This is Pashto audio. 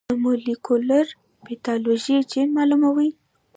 د مولېکولر پیتالوژي جین معلوموي.